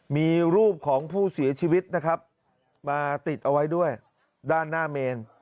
มีรูปของผู้เสียชีวิตนะครับมาติดเอาไว้ด้วยด้านหน้าเมน